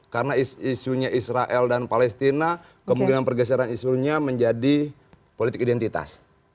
karena isunya israel dan palestina kemudian pergeseran isunya menjadi politik identitas